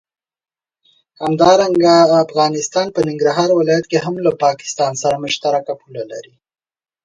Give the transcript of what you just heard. همدارنګه افغانستان په ننګرهار ولايت کې هم له پاکستان سره مشترکه پوله لري.